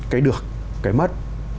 cái được cái mất